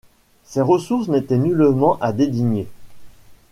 Ces ressources n’étaient nullement à dédaigner.